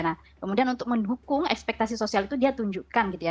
nah kemudian untuk mendukung ekspektasi sosial itu dia tunjukkan gitu ya